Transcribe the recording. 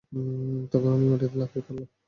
তখন আমি মাটিতে লাফিয়ে পড়লাম।